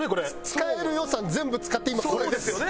使える予算全部使って今これです。